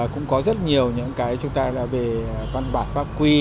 cũng có rất nhiều những cái chúng ta là về văn bản pháp quy